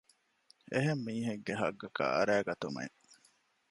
އެހެން މީހެއްގެ ޙައްޤަކަށް އަރައިގަތުމެއް